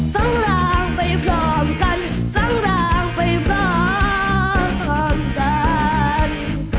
สร้างรางไปพร้อมกันสร้างรางไปพร้อมกัน